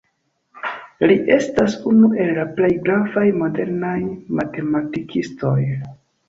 Li estas unu el la plej gravaj modernaj matematikistoj.